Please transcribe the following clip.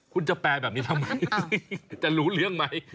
คุณจะแปลแบบนี้ทำไมจะรู้เรื่องไหม